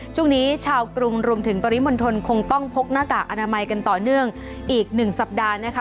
ช่วงนี้ชาวกรุงรวมถึงปริมณฑลคงต้องพกหน้ากากอนามัยกันต่อเนื่องอีกหนึ่งสัปดาห์นะคะ